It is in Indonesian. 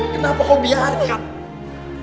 kenapa kau biarkan